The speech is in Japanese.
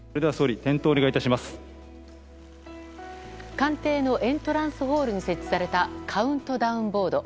官邸のエントランスホールに設置されたカウントダウンボード。